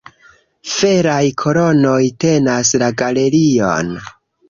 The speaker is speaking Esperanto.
Feraj kolonoj tenas la galerion.